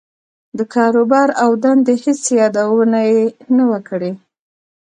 د کاروبار او دندې هېڅ يادونه يې نه وه کړې.